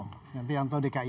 nanti yang tahu dki